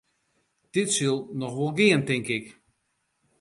Dit sil noch wol gean, tink.